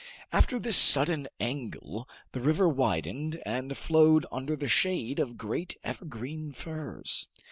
After this sudden angle the river widened and flowed under the shade of great evergreen firs.